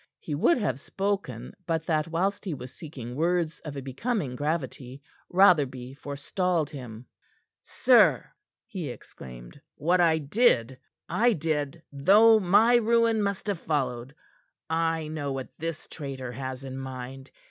He would have spoken, but that whilst he was seeking words of a becoming gravity, Rotherby forestalled him. "Sir," he exclaimed, "what I did, I did though my ruin must have followed. I know what this traitor has in mind.